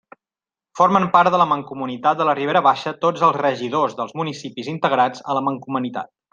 Formen part de la Mancomunitat de la Ribera Baixa tots els regidors dels municipis integrats en la Mancomunitat.